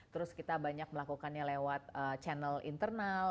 terus kita banyak melakukannya lewat channel internal